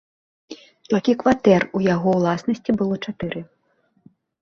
Толькі кватэры ў яго ўласнасці быў чатыры.